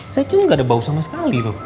saya kira nggak ada bau sama sekali loh